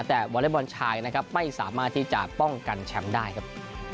แต่วอเล็กบอลชายนะครับไม่สามารถที่จะป้องกันแชมป์ได้ครับ